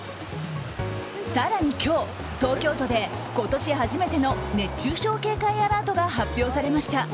更に今日、東京都で今年初めての熱中症警戒アラートが発表されました。